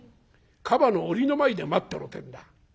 『カバの檻の前で待ってろ』ってんだ。